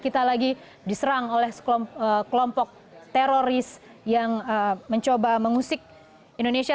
kita lagi diserang oleh sekelom kelompok teroris yang mencoba mengusik indonesia